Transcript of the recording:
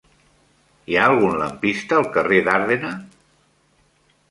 Hi ha algun lampista al carrer d'Ardena?